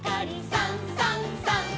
「さんさんさん」